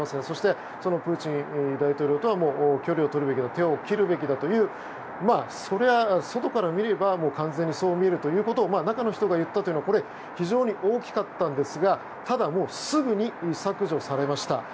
そして、プーチン大統領とは距離を取るべきだ手を切るべきだというそれは外から見れば完全にそう見えるということを中の人が言ったというのが非常に大きかったんですがただ、すぐに削除されました。